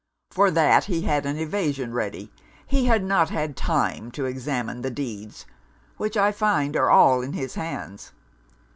For that, he had an evasion ready he had not had time to examine the deeds; which I find are all in his hands.